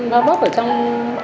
nói vốc ở trong